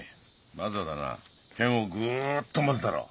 まずはだな剣をグっと持つだろ。